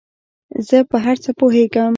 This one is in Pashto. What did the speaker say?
زۀ په هر څه پوهېږم